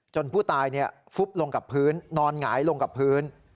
ผู้ตายฟุบลงกับพื้นนอนหงายลงกับพื้น